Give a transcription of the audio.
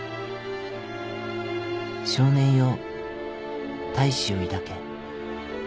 『少年よ大志を抱け。